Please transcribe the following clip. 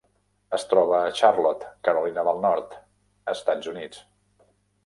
Es troba a Charlotte, Carolina del Nord, Estats Units.